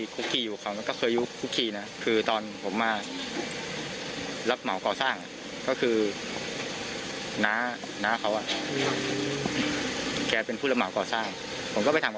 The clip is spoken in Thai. ตอนที่เขามาสามารถมากกับเมฆเขาบอกเลยไงบ้าง